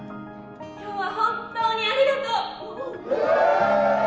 今日は本当にありがとう